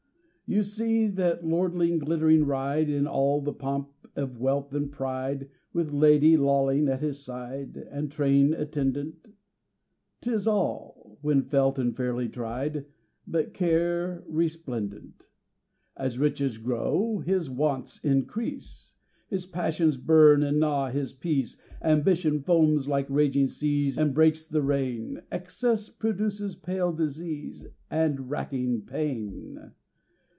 You see that lordling glittering ride In all the pomp of wealth and pride, With lady lolling at his side, And train attendant: 'Tis all, when felt and fairly tried, But care resplendent. As riches grow his wants increase, His passions burn and gnaw his peace, Ambition foams like raging seas And breaks the rein, Excess produces pale disease And racking pain.